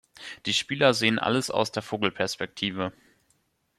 Die Spieler sehen alles aus der Vogelperspektive.